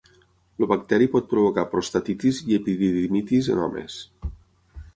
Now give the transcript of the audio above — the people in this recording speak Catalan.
El bacteri pot provocar prostatitis i epididimitis en homes.